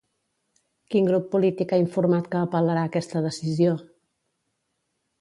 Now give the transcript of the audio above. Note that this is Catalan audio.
Quin grup polític ha informat que apel·larà aquesta decisió?